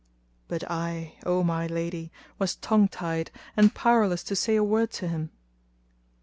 But I, O my lady, was tongue tied and powerless to say a word to him.